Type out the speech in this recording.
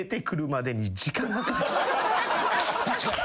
確かに。